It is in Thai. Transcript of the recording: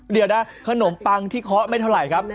เดี๋ยวนะขนมปังที่เคาะไม่เท่าไหร่ครับ